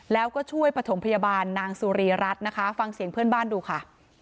แล้วก็ช่วยประถมพยาบาลนางสุรีรัฐนะคะฟังเสียงเพื่อนบ้านดูค่ะ